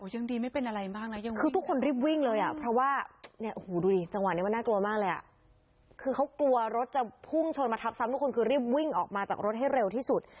หลายคนคือรีบวิ่งออกมาจากรถให้เร็วที่สุด